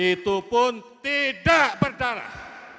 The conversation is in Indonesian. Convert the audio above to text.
itu pun tidak berdarah